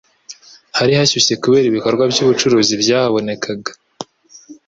hari hashyushye kubera ibikorwa by'ubucuruzi byahabonekaga.